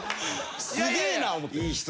すげえな思って。